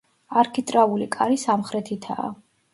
არქიტრავული კარი სამხრეთითაა.